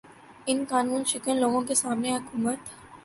ان قانوں شکن لوگوں کے سامنے حکومت